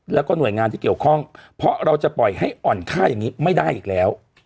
แล้วก็หน่วยงานที่เกี่ยวข้องเพราะเราจะปล่อยให้อ่อนค่าอย่างนี้ไม่ได้อีกแล้ว